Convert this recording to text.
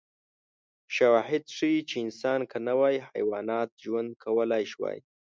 شواهد ښيي چې انسان که نه وای، حیواناتو ژوند کولای شوی.